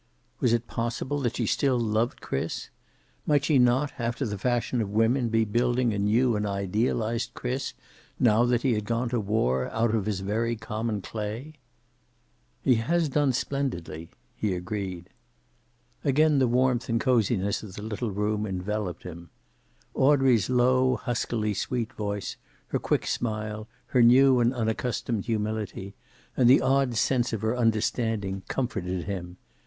Was it possible that she still loved Chris? Might she not, after the fashion of women, be building a new and idealized Chris, now that he had gone to war, out of his very common clay? "He has done splendidly," he agreed. Again the warmth and coziness of the little room enveloped him. Audrey's low huskily sweet voice, her quick smile, her new and unaccustomed humility, and the odd sense of her understanding, comforted him.